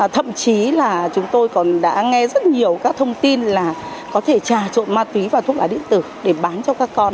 thậm chí là chúng tôi còn đã nghe rất nhiều các thông tin là có thể trà trộn ma túy và thuốc lá điện tử để bán cho các con